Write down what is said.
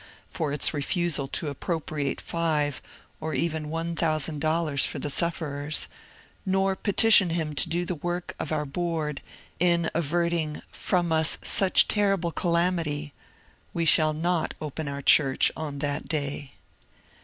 " for its refusal to appropriate five or even one thousand dollars for the sufferers ; nor petition Him to do the work of our board in averting *^ from us such terrible calamity," we shall not open our church on that day.